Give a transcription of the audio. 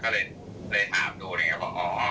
ก็เลยถามดูอะไรอย่างเงี้ย